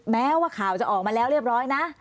แม้ว่าข่าวจะออกมาแล้วเรียบร้อยนะ